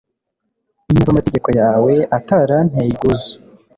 iyaba amategeko yawe atari anteye ubwuzu